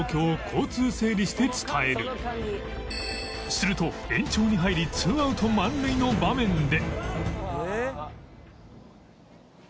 すると延長に入り２アウト満塁の場面で